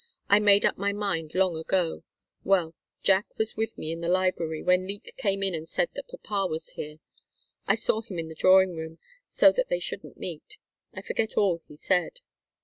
"I made up my mind long ago. Well, Jack was with me in the library, when Leek came in and said that papa was here. I saw him in the drawing room, so that they shouldn't meet. I forget all he said.